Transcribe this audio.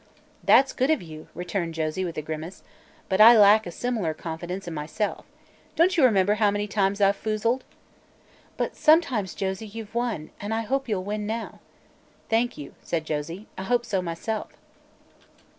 "That's good of you," returned Josie, with a grimace, "but I lack a similar confidence in myself. Don't you remember how many times I've foozled?" "But sometimes, Josie, you've won, and I hope you'll win now." "Thank you," said Josie; "I hope so, myself."